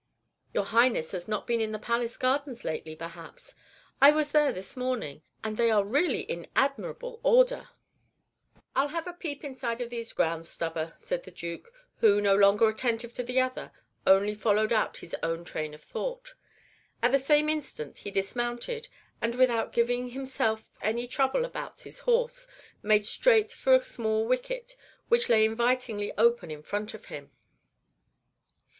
"Your Highness has not been in the Palace gardens lately, perhaps. I was there this morning, and they are really in admirable order." "I'll have a peep inside of these grounds, Stubber," said the Duke, who, no longer attentive to the other, only followed out his own train of thought. At the same instant he dismounted, and, without giving himself any trouble about his horse, made straight for a small wicket which lay invitingly open in front of him.